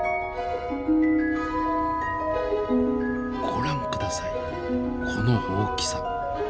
ご覧下さいこの大きさ。